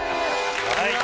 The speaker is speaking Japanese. はい。